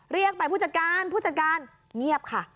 เรียกไปผู้จัดการผู้จัดการเงียบค่ะ